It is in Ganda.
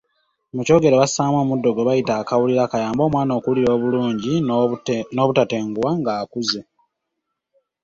Mu kyogero bassaamu omuddo gwe bayita akawulira kayambe omwana okuwulira obulungi n'obutatenguwa ng'akuze.